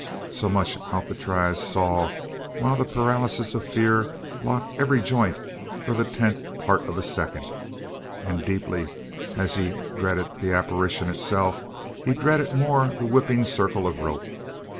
So much Alcatraz saw while the paralysis of fear locked every joint for the tenth part of a second, and deeply as he dreaded the apparition itself he dreaded more the whipping circle of rope.